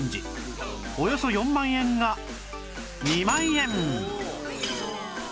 およそ４万円が２万円